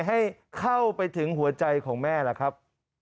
ให้เข้าไปถึงหัวใจของแม่ล่ะครับ